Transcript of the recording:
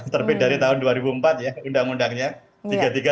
terbit dari tahun dua ribu empat ya undang undangnya